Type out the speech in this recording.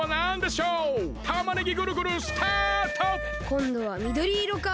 こんどはみどりいろか。